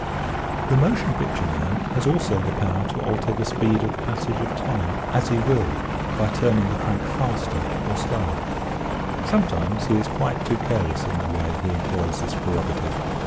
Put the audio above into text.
46 EASY LESSONS IN EINSTEIN The motion picture man has also the power to alter the speed of the passage of time as he will by turning the crank faster or slower. Sometimes he is quite too careless in the way he employs this prerogative.